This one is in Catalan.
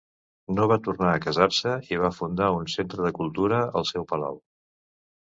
No va tornar a casar-se i va fundar un centre de cultura al seu palau.